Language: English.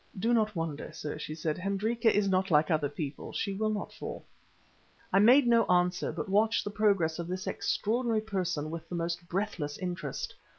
"Do not wonder, sir," she said, "Hendrika is not like other people. She will not fall." I made no answer, but watched the progress of this extraordinary person with the most breathless interest.